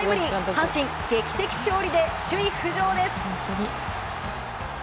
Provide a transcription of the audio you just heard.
阪神、劇的勝利で首位浮上です。